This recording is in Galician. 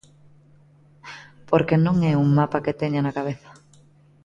Porque non é un mapa que teña na cabeza.